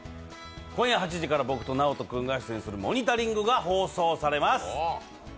今夜８時から僕とＮＡＯＴＯ君が出演する「モニタリング」が放送されます。